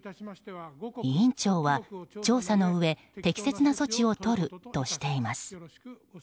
委員長は、調査のうえ適切な措置をとるとしています。